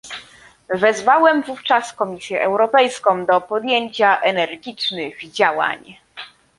Wezwałem wówczas Komisję Europejską do podjęcia energicznych działań